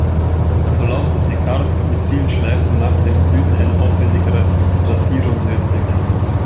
Der Verlauf des Neckars mit vielen Schleifen machte im Süden eine aufwendigere Trassierung nötig.